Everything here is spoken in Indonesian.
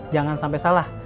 jangan sampe salah